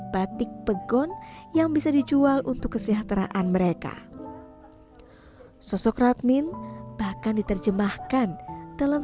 batik pegon yang bisa dijual untuk kesejahteraan mereka sosok radmin bahkan diterjemahkan dalam